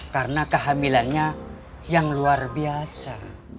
karena kehamilannya yang luar biasa